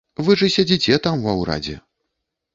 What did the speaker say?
Вы ж і сядзіце там ва ўрадзе.